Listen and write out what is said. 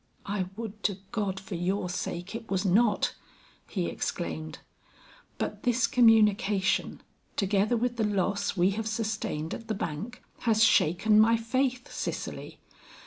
"I would to God for your sake, it was not!" he exclaimed. "But this communication together with the loss we have sustained at the bank, has shaken my faith, Cicely.